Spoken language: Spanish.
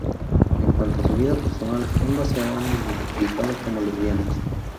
En cuanto a su vida personal, ambas se han identificado como lesbianas.